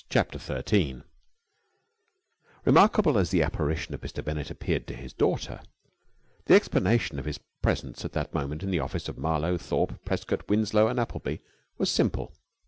CHAPTER THIRTEEN Remarkable as the apparition of Mr. Bennett appeared to his daughter, the explanation of his presence at that moment in the office of Marlowe, Thorpe, Prescott, Winslow, and Appleby was simple.